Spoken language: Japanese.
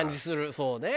そうね。